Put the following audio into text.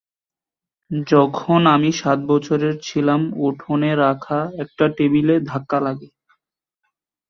যখন আমি সাত বছরের ছিলাম, উঠোনে রাখা একটা টেবিলে ধাক্কা লাগে।